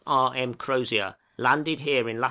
R. M. Crozier, landed here in lat.